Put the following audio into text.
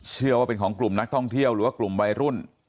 เชื่อว่าเป็นของกลุ่มนักท่องเที่ยวหรือว่ากลุ่มวัยรุ่น